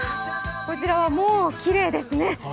こちらはもうきれいですね。